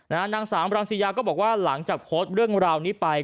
นางสาวรังสิยาก็บอกว่าหลังจากโพสต์เรื่องราวนี้ไป